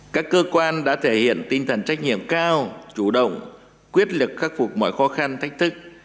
các cơ quan đã thể hiện tinh thần trách nhiệm cao chủ động quyết lực khắc phục mọi khó khăn thách thức